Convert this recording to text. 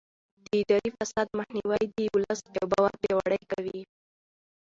د اداري فساد مخنیوی د ولس باور پیاوړی کوي.